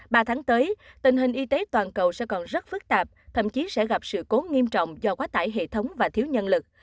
ba tháng tới tình hình y tế toàn cầu sẽ còn rất phức tạp thậm chí sẽ gặp sự cố nghiêm trọng do quá tải hệ thống và thiếu nhân lực